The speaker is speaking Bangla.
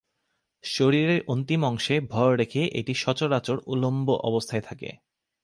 শরীরের অন্তিম অংশে ভর রেখে এটি সচরাচর উল্লম্ব অবস্থায় থাকে।